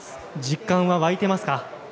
実感は湧いていますか？